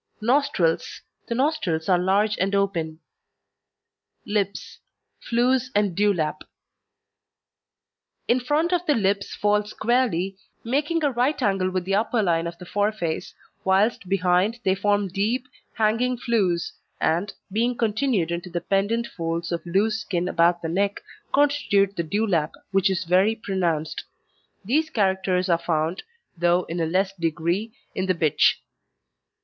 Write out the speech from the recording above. NOSTRILS The nostrils are large and open. LIPS, FLEWS, AND DEWLAP In front the lips fall squarely, making a right angle with the upper line of the foreface, whilst behind they form deep, hanging flews, and, being continued into the pendent folds of loose skin about the neck, constitute the dewlap, which is very pronounced. These characters are found, though in a less degree, in the bitch.